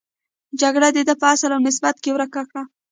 جګړه ده چې اصل او نسب یې ورک کړ.